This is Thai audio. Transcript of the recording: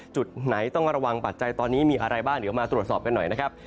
จุดไหนต้องระวังปัจจัยตอนนี้มีอะไรบ้างเดี๋ยวมาตรวจสอบกันหน่อยนะครับ